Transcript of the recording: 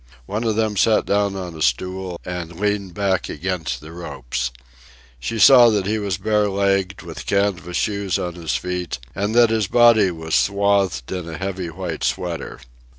One of them sat down on a stool and leaned back against the ropes. She saw that he was bare legged, with canvas shoes on his feet, and that his body was swathed in a heavy white sweater.